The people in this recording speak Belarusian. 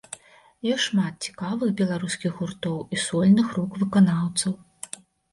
Ёсць шмат цікавых беларускіх гуртоў і сольных рок-выканаўцаў.